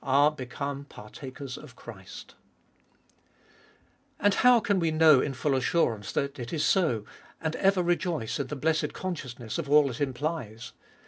— are become partakers of Christ ! footiest of BII 137 And how can we know in full assurance that it is so, and ever rejoice in the blessed consciousness of all it implies.